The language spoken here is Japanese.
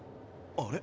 あれ？